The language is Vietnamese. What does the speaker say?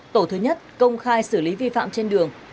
tổ thứ nhất công khai xử lý vi phạm trên đường